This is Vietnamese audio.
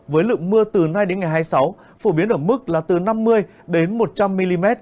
với lượng mưa từ nay đến ngày hai mươi sáu phổ biến ở mức là từ năm mươi đến một trăm linh mm